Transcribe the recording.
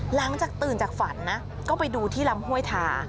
หลังจากตื่นจากฝันนะก็ไปดูที่ลำห้วยทา